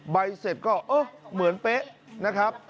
ใบเสร็จก็เออเหมือนเป๊ะนะครับ